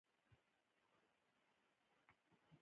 زه هڅه کوم، چي نورو ته خوښي ورکم.